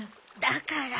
だから。